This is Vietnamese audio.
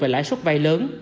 về lãi suất vay lớn